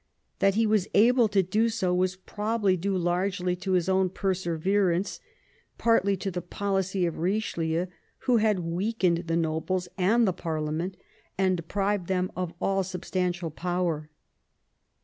That he was able to do so was probably due partly to his own persever ance, partly to the policy of Kichelieu, who had weakened the nobles and the parlemerU and deprived them of all substantial power.